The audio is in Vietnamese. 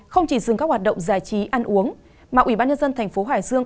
không chỉ dừng các hoạt động giải trí ăn uống mà ủy ban nhân dân thành phố hải dương